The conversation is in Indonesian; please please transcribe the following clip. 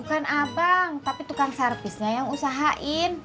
bukan abang tapi tukang servisnya yang usahain